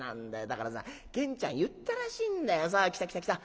だからさゲンちゃん言ったらしいんだよ。来た来た来た。